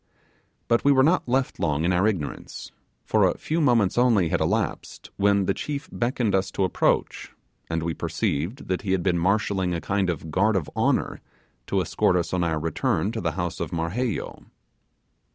But we were not left long in our ignorance, for a few moments only had elapsed, when the chief beckoned us to approach, and we perceived that he had been marshalling a kind of guard of honour to escort us on our return to the house of Marheyo.